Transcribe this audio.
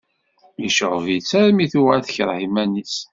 Yecɣeb-itt armi tuɣal tekreh iman-is.